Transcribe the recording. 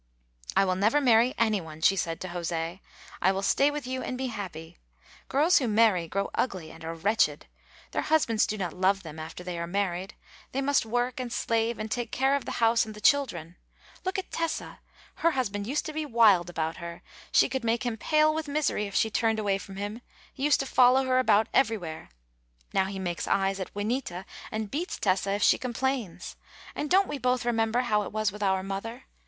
"I will never marry any one," she said to José. "I will stay with you and be happy. Girls who marry grow ugly and are wretched. Their husbands do not love them after they are married. They must work and slave and take care of the house and the children. Look at Tessa! Her husband used to be wild about her. She could make him pale with misery if she turned away from him; he used to follow her about everywhere. Now he makes eyes at Juanita, and beats Tessa if she complains. And don't we both remember how it was with our mother?